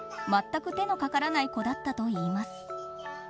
全く手のかからない子だったといいます。